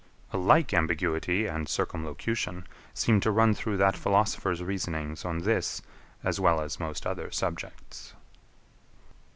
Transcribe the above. A like ambiguity and circumlocution seem to run through that philosopher's reasonings on this as well as most other subjects.